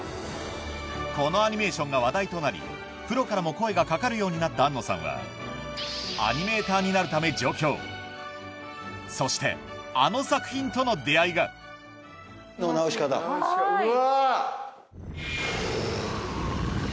このアニメーションが話題となりプロからも声が掛かるようになった庵野さんはそしてあの作品との出合いがうわ！